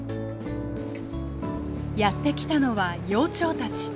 やってきたのは幼鳥たち。